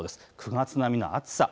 ９月並みの暑さ。